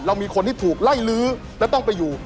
มีคนที่ถูกไล่ลื้อและต้องไปอยู่